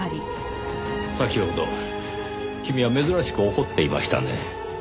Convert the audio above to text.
先ほど君は珍しく怒っていましたね。